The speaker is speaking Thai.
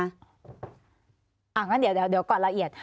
อ่ะก็เดี๋ยวก่อนละเอียด